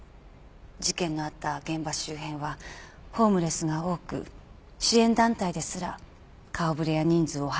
事件のあった現場周辺はホームレスが多く支援団体ですら顔触れや人数を把握しきれないと。